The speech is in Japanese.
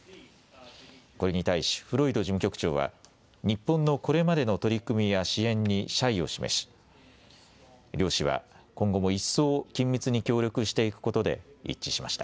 これに対しフロイド事務局長は日本のこれまでの取り組みや支援に謝意を示し両氏は今後も一層緊密に協力していくことで一致しました。